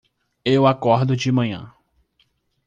Eu acordo de manhã